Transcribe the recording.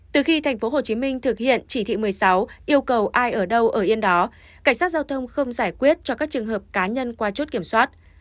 từ khi tp hcm thực hiện chỉ thị một mươi sáu yêu cầu ai ở đâu ở yên đó cảnh sát giao thông không giải quyết cho các trường hợp cá nhân qua chốt kiểm soát